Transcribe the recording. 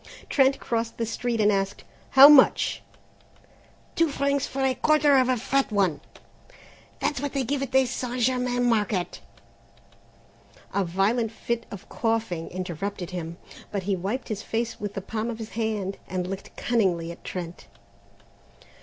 Trent crossed the street and asked: "How much?" "Two francs for a quarter of a fat one; that's what they give at the St. Germain Market." A violent fit of coughing interrupted him, but he wiped his face with the palm of his hand and looked cunningly at Trent.